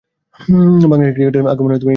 বাংলাদেশে ক্রিকেটের আগমন ইংরেজদের মাধ্যমে।